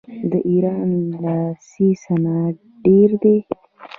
د ایران لاسي صنایع ډیر دي.